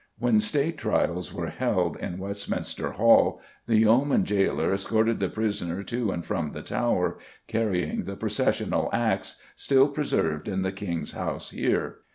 When State trials were held in Westminster Hall the Yeoman Gaoler escorted the prisoner to and from the Tower, carrying the processional axe, still preserved in the King's House here.